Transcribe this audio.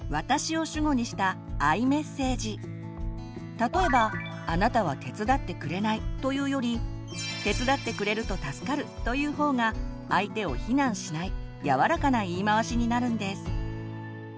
例えば「あなたは手伝ってくれない」というより「手伝ってくれると助かる」というほうが相手を非難しない柔らかな言い回しになるんです。